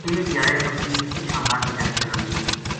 ایک دھیاڑے بکری پِچھاں ماہلی دا چرن گئی